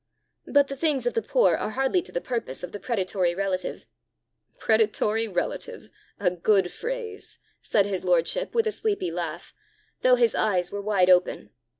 But the things of the poor are hardly to the purpose of the predatory relative." "'Predatory relative!' a good phrase!" said his lordship, with a sleepy laugh, though his eyes were wide open.